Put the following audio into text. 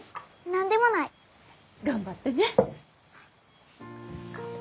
何でもない。頑張ってね。